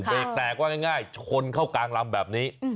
เบรกแตกว่าง่ายชนเข้ากลางลำแบบนี้